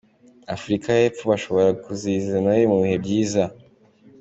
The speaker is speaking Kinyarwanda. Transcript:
Afurika y’Epfo bashobora kuzizihiriza Noheli mu bihe byiza